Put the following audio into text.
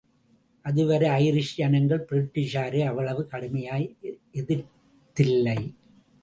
அதுவரை ஐரிஷ் ஜனங்கள் பிரிட்டிஷாரை அவ்வளவு கடுமையாய் எதிர்த் தில்லை.